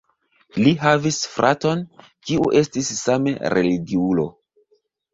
Li havis fraton, kiu estis same religiulo.